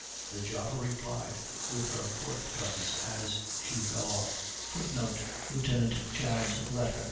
The Java replied with her port guns as she fell off. [Footnote: Lieutenant Chads' letter.